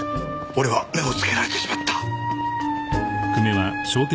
俺は目をつけられてしまった